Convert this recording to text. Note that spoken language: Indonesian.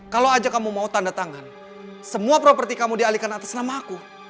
kalau aja kamu mau tanda tangan semua properti kamu dialihkan atas nama aku